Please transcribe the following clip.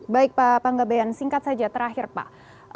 baik pak pak ngebeyan singkat saja terakhir pak